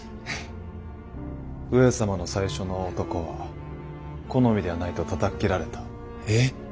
上様の最初の男は好みではないとたたっ斬られた。え！